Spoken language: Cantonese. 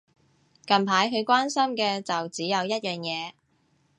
近排佢關心嘅就只有一樣嘢